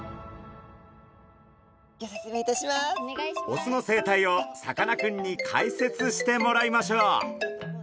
オスの生態をさかなクンに解説してもらいましょう！